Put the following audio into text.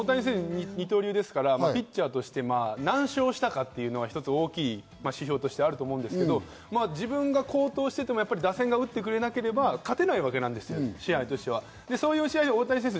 大谷選手、二刀流ですから、ピッチャーとして何勝したかというのが一つ大きな指標としてあるんですけど、自分が好投してても打線が打ってくれなければ勝てないわけですよ。